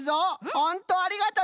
ほんとありがとね。